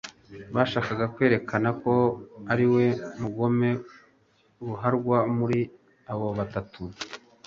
bashakaga kwerakana ko ariwe mugome ruharwa muri abo batatu.